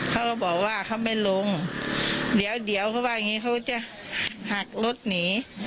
เขาก็บอกว่าเขาไม่ลงเดี๋ยวเขาว่าอย่างนี้เขาจะหักรถหนี